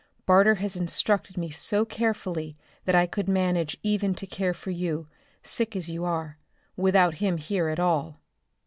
Barter has instructed me so carefully that I could manage even to care for you, sick as you are, without him here at all."